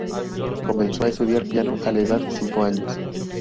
Comenzó a estudiar piano a la edad de cinco años.